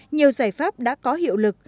nhiều giải pháp đã có hiệu lực